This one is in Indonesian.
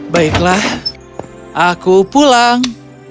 baiklah aku pulang